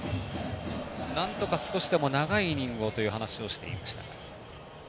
なんとか少しでも長いイニングをという話をしていました。